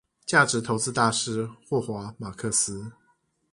價值投資大師霍華馬克斯